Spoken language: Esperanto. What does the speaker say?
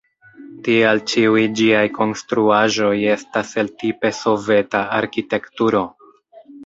Tial ĉiuj ĝiaj konstruaĵoj estas el tipe soveta arkitekturo.